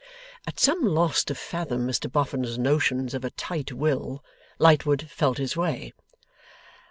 At some loss to fathom Mr Boffin's notions of a tight will, Lightwood felt his way.